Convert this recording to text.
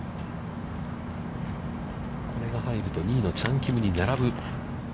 これが入ると、２位のチャン・キムに並ぶ。